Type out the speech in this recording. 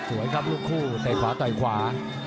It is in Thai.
สวยครับลูกคู่ต่อยขวาต่อยขวา